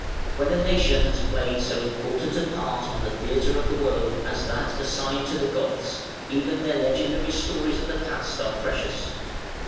When a nation has played so important a part on the theatre of the world as that assigned to the Goths, even their legendary stories of the past are precious.